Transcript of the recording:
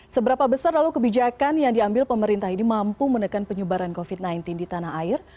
seberapa besar lalu kebijakan yang diambil pemerintah ini mampu menekan penyebaran covid sembilan belas di tanah air